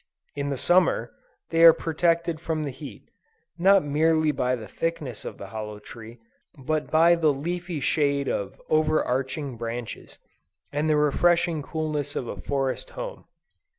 In the Summer, they are protected from the heat, not merely by the thickness of the hollow tree, but by the leafy shade of overarching branches, and the refreshing coolness of a forest home.